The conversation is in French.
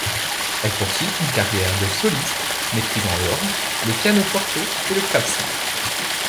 Elle poursuit une carrière de soliste, maîtrisant l’orgue, le piano-forte et le clavecin.